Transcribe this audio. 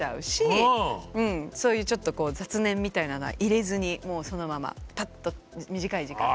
そういうちょっと雑念みたいなのは入れずにもうそのままパッと短い時間で。